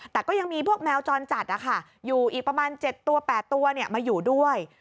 แต่ก็ยังมีพวกแมวจรจัดอยู่อีกประมาณ๗ตัว๘ตัวมาอยู่ด้วย